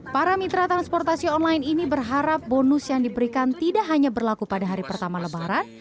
para mitra transportasi online ini berharap bonus yang diberikan tidak hanya berlaku pada hari pertama lebaran